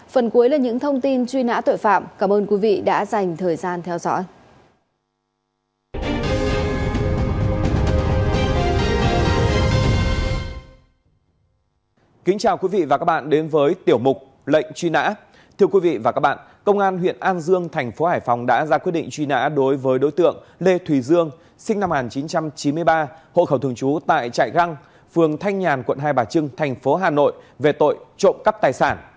phần cuối là những thông tin truy nã tội phạm cảm ơn quý vị đã dành thời gian theo dõi